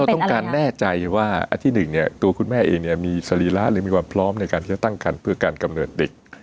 ต้องการแน่ใจว่าอันที่หนึ่งเนี่ยตัวคุณแม่เองมีสรีระหรือมีความพร้อมในการที่จะตั้งคันเพื่อการกำเนิดเด็ก